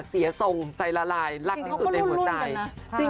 เสียทรงใจละลายรักที่สุดในหัวใจ